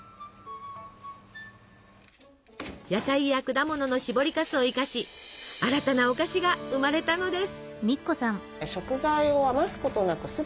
野菜や果物のしぼりかすを生かし新たなお菓子が生まれたのです。